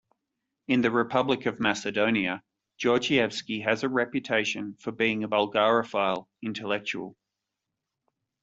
In the Republic of Macedonia, Georgievski has a reputation for being a bulgarophile intellectual.